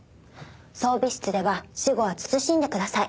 装備室では私語は慎んでください。